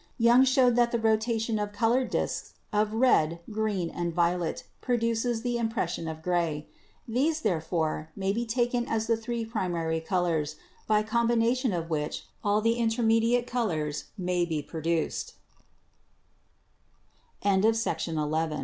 Young showed that the rotation of colored disks of red, green and violet produces the impression of gray. These, therefore, may be taken as the three primary colors, by combination of which all the intermediate colors may be